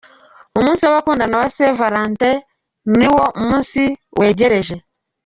Umunsi w’abakundana wa Saint Valentin niwo munsi wegereje.